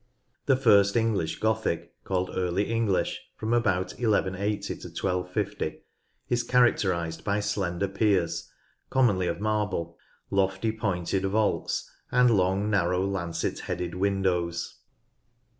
The first English Gothic, called "Early English," from about 1 180 to 1250, is characterised by slender piers (commonly of marble), lofty pointed vaults, and long, narrow, lancet headed windows.